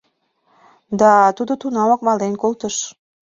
Да тудо тунамак мален колтыш.